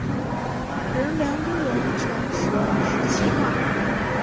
仁良都人常使用石岐话。